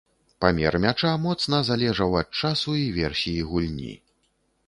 Памер мяча моцна залежаў ад часу і версіі гульні.